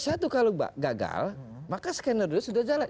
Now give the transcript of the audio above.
itu kalau gagal maka skenario dua sudah jalan